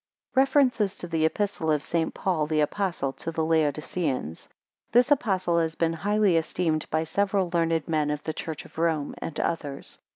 REFERENCES TO THE EPISTLE OF ST. PAUL THE APOSTLE TO THE LAODICEANS. [This Epistle has been highly esteemed by several learned men of the church of Rome and others.